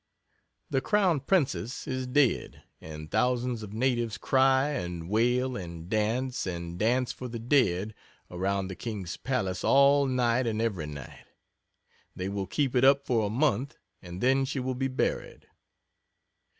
The Crown Princess is dead and thousands of natives cry and wail and dance and dance for the dead, around the King's Palace all night and every night. They will keep it up for a month and then she will be buried.